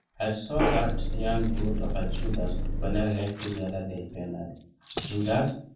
I saw that young brute of a Judas when I left you the other day, Bernard." "Judas?"